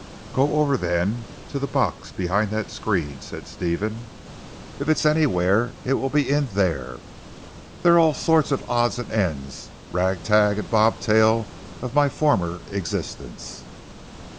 "Go over then to the box behind that screen," said Stephen, "if it is anywhere it will be in there. There are all sorts of odds and ends, rag tag and bobtail of my former existence."